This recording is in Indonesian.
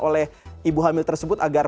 oleh ibu hamil tersebut agar